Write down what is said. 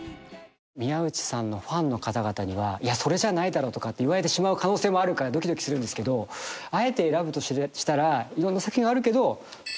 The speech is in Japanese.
宮内さんのファンの方々には「いやそれじゃないだろ」とかって言われてしまう可能性あるからドキドキするんですけどあえて選ぶとしたらいろんな作品はあるけど。